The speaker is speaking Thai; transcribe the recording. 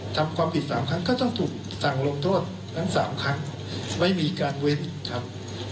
ทำความผิด๓ครั้งก็ต้องถูกสั่งลงโทษทั้ง๓ครั้งไม่มีการเว้นครับ